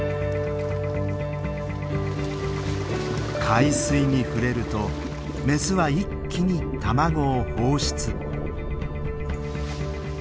海水に触れるとメスは一気に卵を放出。